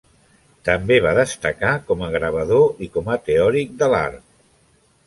També va destacar com a gravador i com a teòric de l'art.